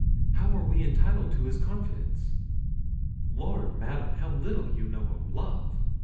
How are we entitled to his confidence?" "Lord, Madam! how little you know of love!"